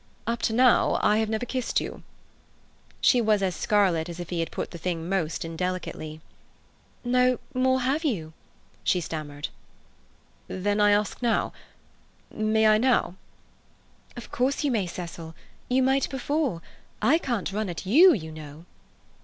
"Up to now I have never kissed you." She was as scarlet as if he had put the thing most indelicately. "No—more you have," she stammered. "Then I ask you—may I now?" "Of course, you may, Cecil. You might before. I can't run at you, you know."